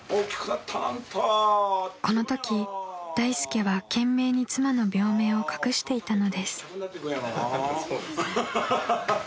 ［このとき大助は懸命に妻の病名を隠していたのです］